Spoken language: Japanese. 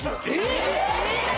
えっ！？